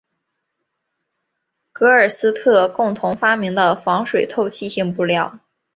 戈尔特斯共同发明的防水透气性布料。